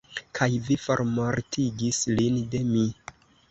Kaj vi formortigis lin de mi!